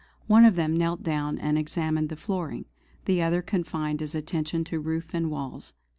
One of them knelt down and examined the flooring; the other confined his attention to roof and walls.